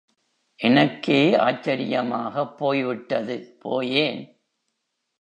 எனக்கே ஆச்சரியமாகப் போய் விட்டது, போயேன்!